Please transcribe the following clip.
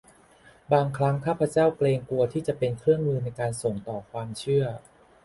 บางครั้งข้าพเจ้าเกรงกลัวที่จะเป็นเครื่องมือในการส่งต่อความเชื่อ